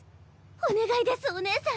お願いですおねえさん。